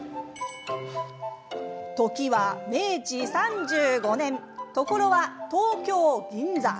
時は明治３５年所は東京銀座。